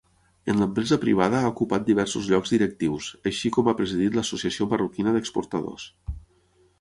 En l'empresa privada ha ocupat diversos llocs directius, així com ha presidit l'Associació Marroquina d'Exportadors.